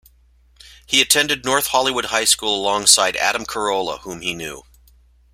He attended North Hollywood High School alongside Adam Carolla, whom he knew.